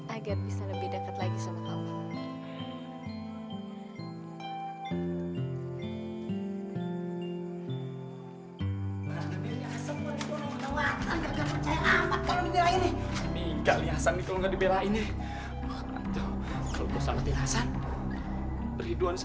agar bisa lebih deket lagi sama kamu